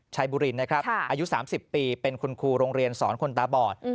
บุรีนะครับอายุ๓๐ปีเป็นคุณครูโรงเรียนสอนคนตาบอด